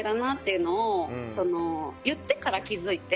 いうのを言ってから気づいて」